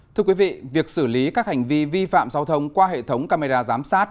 thưa quý vị việc xử lý các hành vi vi phạm giao thông qua hệ thống camera giám sát